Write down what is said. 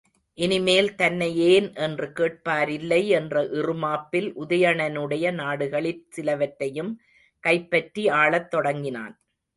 இனிமேல் தன்னை ஏன் என்று கேட்பாரில்லை என்ற இறுமாப்பில் உதயணனுடைய நாடுகளிற் சிலவற்றையும் கைப்பற்றி ஆளத் தொடங்கினான்.